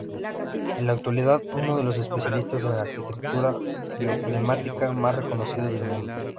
En la actualidad uno de los especialistas en Arquitectura bioclimática más reconocidos del mundo.